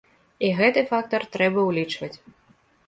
І гэты фактар трэба ўлічваць.